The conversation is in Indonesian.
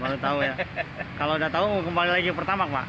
baru tahu ya kalau sudah tahu mau kembali lagi ke pertamak pak